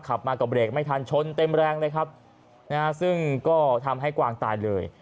ขับมาก็เบรกไม่ทันชนเต็มแรงเลยครับนะฮะซึ่งก็ทำให้กวางตายเลย